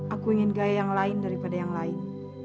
aku ingin gaya yang lain daripada yang lain